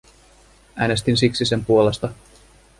Äänestin siksi sen puolesta.